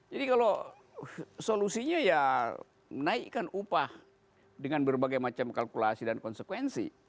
jadi kalau solusinya ya menaikkan upah dengan berbagai macam kalkulasi dan konsekuensi